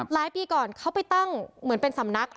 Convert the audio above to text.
หลายปีก่อนเขาไปตั้งเหมือนเป็นสำนัก